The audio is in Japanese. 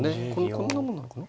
こんなもんなのかな。